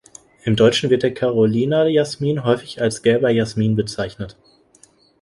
Im Deutschen wird der Carolina-Jasmin häufig als "Gelber Jasmin" bezeichnet.